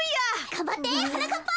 がんばってはなかっぱ。